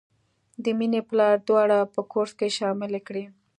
د مینې پلار دواړه په کورس کې شاملې کړې